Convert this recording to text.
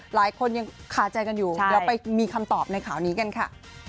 หลายคนยังขาใจกันอยู่เดี๋ยวไปมีคำตอบในข่าวนี้กันค่ะ